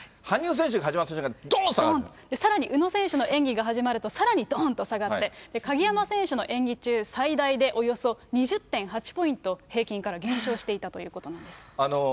羽生選手が始まった瞬間、さらに宇野選手の演技が始まると、さらにどーんと下がって、鍵山選手の演技中、最大でおよそ２０．８ポイント、平均から減少していたということなんです。